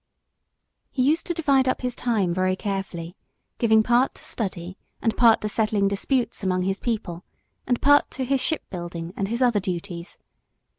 He used to divide up his time very carefully, giving part to study and part to settling disputes among his people, and part to his shipbuilding and his other duties.